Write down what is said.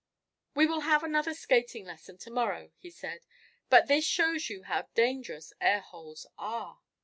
"We will have another skating lesson to morrow," he said. "But this shows you how dangerous air holes are."